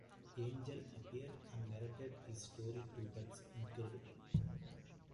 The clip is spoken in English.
Angel appeared and narrated his story to That's Incredible!